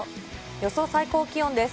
予想最高気温です。